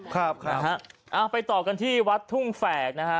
ครับนะฮะไปต่อกันที่วัดทุ่งแฝกนะฮะ